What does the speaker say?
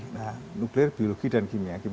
nah nuklir biologi dan kimia